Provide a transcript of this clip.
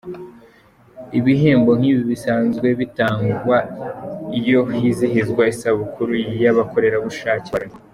Ibihembo nk’ibi bisanzwe bitangwa iyo hizihizwa isabukuru y’abakorerabushake ba Loni.